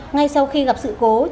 ngay sau khi gặp sự cố